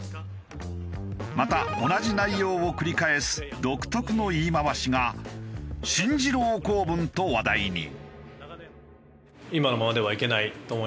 また同じ内容を繰り返す独特の言い回しが「進次郎構文」と話題に。